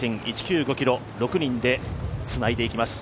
ｋｍ、６人でつないでいきます。